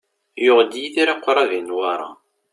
Yuɣ-d Yidir aqrab i Newwara.